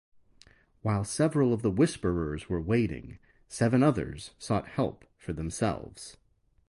While several of the whisperers were waiting, seven others sought help for themselves.